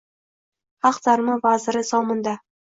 Xalq ta’limi vaziri – Zominda